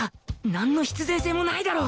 なんの必然性もないだろ！